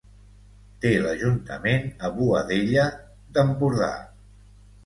Té l'ajuntament a Boadella d'Empordà.